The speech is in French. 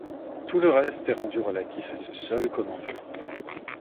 Tout le reste est rendu relatif à ce seul commandement.